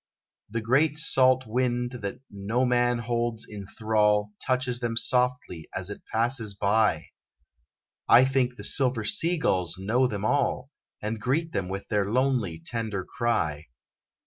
The great salt wind that no man holds in thrall, Touches them softly, as it passes by; I think the silver sea gulls know them all, And greet them with their lonely tender cry.